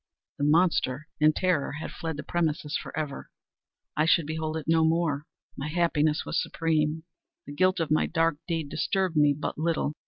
The monster, in terror, had fled the premises forever! I should behold it no more! My happiness was supreme! The guilt of my dark deed disturbed me but little.